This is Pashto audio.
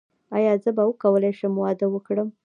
ایا زه به وکولی شم واده وکړم؟